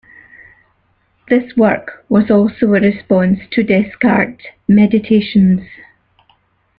This work was also a response to Descartes' "Meditations".